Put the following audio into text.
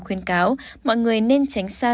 khuyên cáo mọi người nên tránh xa